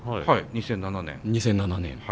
はい２００７年？２００７年。